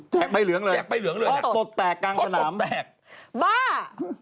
แจ๊คใบเหลืองเลยอ่ะเพราะตดแตกกลางสนามบ้า